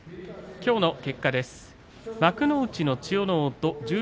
きょうの結果です。